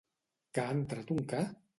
—Que ha entrat un ca?